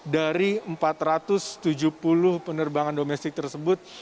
dari empat ratus tujuh puluh penerbangan domestik tersebut